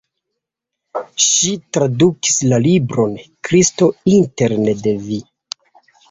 Ŝi tradukis la libron "Kristo interne de vi".